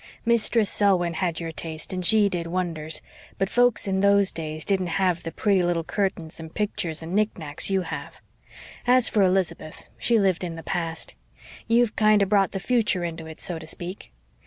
Mistress Selwyn had your taste and she did wonders; but folks in those days didn't have the pretty little curtains and pictures and nicknacks you have. As for Elizabeth, she lived in the past. You've kinder brought the future into it, so to speak.